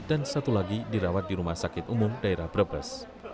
dan satu lagi dirawat di rumah sakit umum daerah brebes